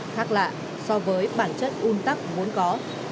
khác lạ so với bản chất un tắc muốn có